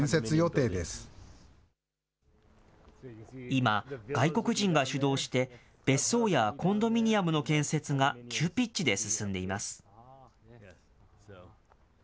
今、外国人が主導して、別荘やコンドミニアムの建設が急ピッチで進んでいます。